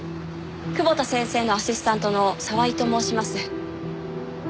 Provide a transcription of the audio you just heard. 窪田先生のアシスタントの沢井と申します。